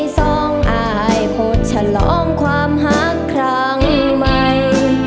สองอายผดฉลองความหักครั้งใหม่